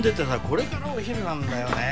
これからお昼なんだよね